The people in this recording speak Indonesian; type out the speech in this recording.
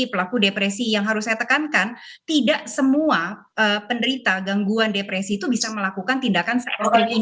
pelaku depresi yang harus saya tekankan tidak semua penderita gangguan depresi itu bisa melakukan tindakan in